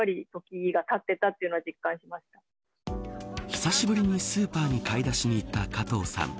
久しぶりにスーパーに買い出しに行った加藤さん。